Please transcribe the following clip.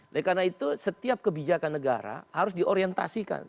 nah karena itu setiap kebijakan negara harus diorientasikan